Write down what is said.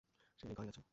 সে এই ঘরেই আছে।